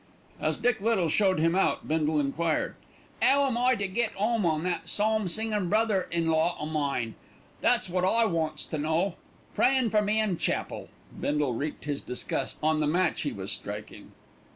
As Dick Little showed him out Bindle enquired: "'Ow am I to get 'ome on that psalm singin' brother in law o' mine? that's wot I wants to know. Prayin' for me in chapel." Bindle wreaked his disgust on the match he was striking.